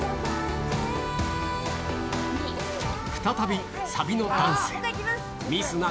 再びサビのダンス。